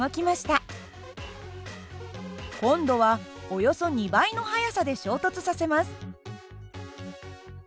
今度はおよそ２倍の速さで衝突させます。